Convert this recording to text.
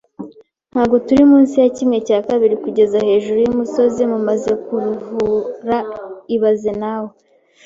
Ntabwo turi munsi ya kimwe cya kabiri kugera hejuru yumusozi. Mumaze kuruha ibaze nawe